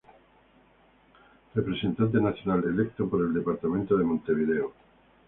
Representante Nacional Electo por el Departamento de Montevideo.